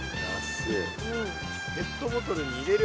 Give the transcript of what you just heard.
ペットボトルに入れる。